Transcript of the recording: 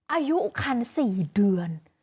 อายุคัน๔เดือน